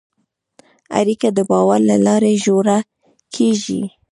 اړیکه د باور له لارې ژوره کېږي.